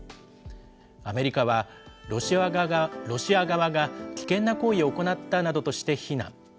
アメリカは、ロシア側が危険な行為を行ったなどとして非難。